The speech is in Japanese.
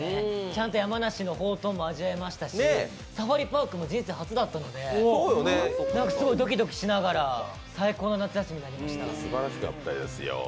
ちゃんと山梨のほうとうも味わえましたしサファリパークも人生初だったのですごいドキドキしながら、最高の夏休みになりました。